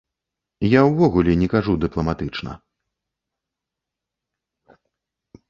Я ўвогуле не кажу дыпламатычна.